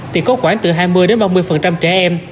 thì có khoảng từ hai mươi ba mươi trẻ em